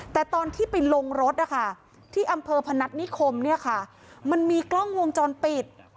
แต่ตอนที่ไปลงรถที่อำเภอพนัทนิคมมันมีกล้องวงจรปิด